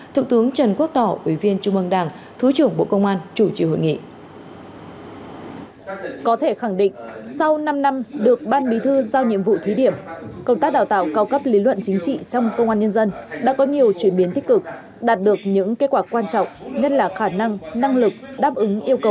thượng tướng trần quốc tỏ ủy viên trung ương đảng thứ trưởng bộ công an chủ trì hội nghị